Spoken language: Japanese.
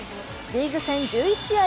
リーグ戦１１試合